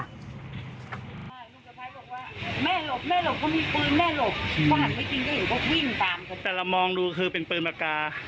พี่เขาช่วยนะเพราะเด็กวิ่งเข้ามาแอบในห้องน้ำผู้หญิงนะครับ